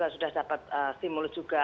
sudah dapat stimulus juga